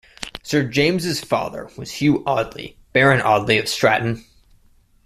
Sir James's father was Hugh Audley Baron Audley of Stratton.